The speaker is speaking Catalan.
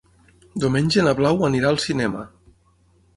Diumenge na Blau anirà al cinema.